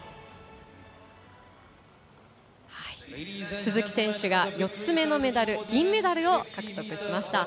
鈴木選手が４つ目のメダル銀メダルを獲得しました。